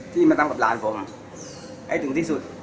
ที่มาตั้งกับราชผมไปถึงที่สุด